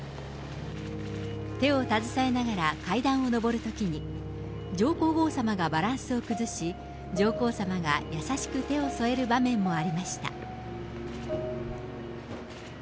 手を携えながら階段を上るときに、上皇后さまがバランスを崩し、上皇さまが優しく手を添える場面もありました。